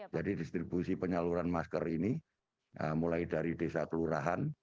jadi distribusi penyaluran masker ini mulai dari desa kelurahan